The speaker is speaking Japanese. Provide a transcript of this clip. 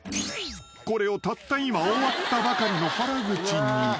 ［これをたった今終わったばかりの原口に］